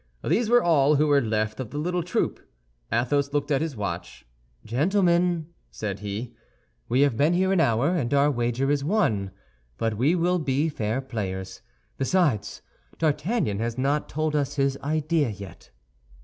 These were all who were left of the little troop. Athos looked at his watch. "Gentlemen," said he, "we have been here an hour, and our wager is won; but we will be fair players. Besides, D'Artagnan has not told us his idea yet."